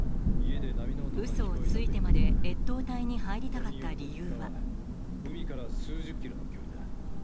ウソをついてまで越冬隊に入りたかった理由は海から数十ｋｍの距離だ。